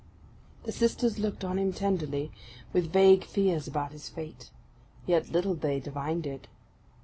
The sisters looked on him tenderly, with vague fears about his fate. Yet little they divined it.